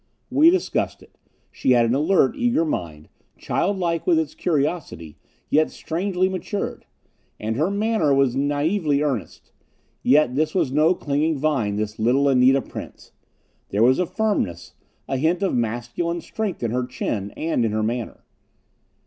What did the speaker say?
We discussed it. She had an alert, eager mind, childlike with its curiosity, yet strangely matured. And her manner was naïvely earnest. Yet this was no clinging vine, this little Anita Prince. There was a firmness, a hint of masculine strength in her chin, and in her manner.